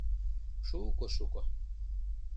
— Шуко-шуко...